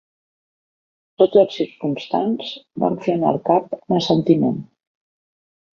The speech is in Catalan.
Tots els circumstants varen fer anar el cap amb assentiment